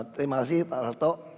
terima kasih pak kartok